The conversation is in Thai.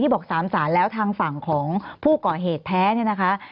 บอก๓ศาลแล้วทางฝั่งของผู้ก่อเหตุแท้เนี่ยนะคะ